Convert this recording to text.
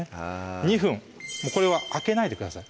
２分これは開けないでください